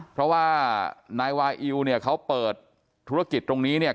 เพราะว่านายว่าไวอิวเขาเปิดธุรกิจตรงนี้